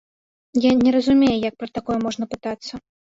Я не разумею, як пра такое можна пытацца.